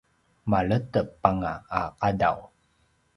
maledep anga a qadaw